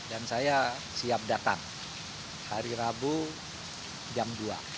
dan saya siap datang hari rabu jam dua